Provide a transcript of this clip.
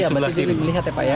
ya berarti lebih melihat ya pak ya